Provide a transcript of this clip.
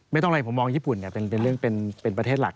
ไม่ต้องอะไรผมมองญี่ปุ่นเป็นประเทศหลัก